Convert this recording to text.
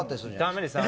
ダメです。